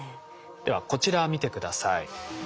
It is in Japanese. ではこちら見て下さい。